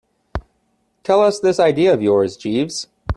Tell us this idea of yours, Jeeves.